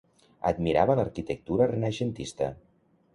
Admirava l'arquitectura renaixentista.